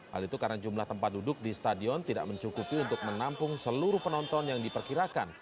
hal itu karena jumlah tempat duduk di stadion tidak mencukupi untuk menampung seluruh penonton yang diperkirakan